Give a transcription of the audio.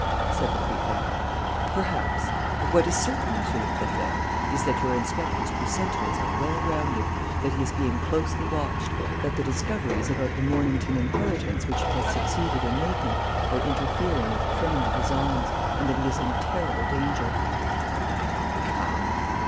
said the Prefect. "Perhaps; but what is certain, Monsieur le Préfet, is that your inspector's presentiments are well grounded, that he is being closely watched, that the discoveries about the Mornington inheritance which he has succeeded in making are interfering with criminal designs, and that he is in terrible danger." "Come, come!"